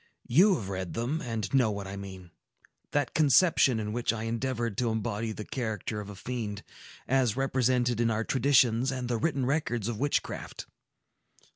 You have read them, and know what I mean,—that conception in which I endeavored to embody the character of a fiend, as represented in our traditions and the written records of witchcraft.